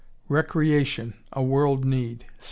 Recreation. A World Need.